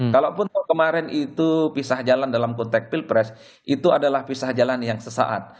kalaupun kemarin itu pisah jalan dalam konteks pilpres itu adalah pisah jalan yang sesaat